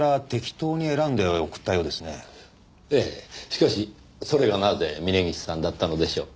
しかしそれがなぜ峰岸さんだったのでしょう？